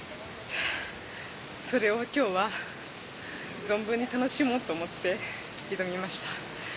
それを今日は存分に楽しもうと思って挑みました。